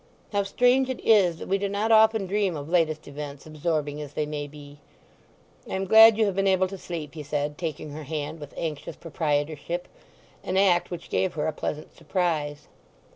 How strange it is that we do not often dream of latest events, absorbing as they may be." "I am glad you have been able to sleep," he said, taking her hand with anxious proprietorship—an act which gave her a pleasant surprise.